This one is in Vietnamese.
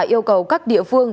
yêu cầu các địa phương